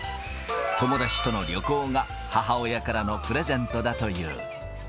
友達との旅行が母親からのプレゼントだという。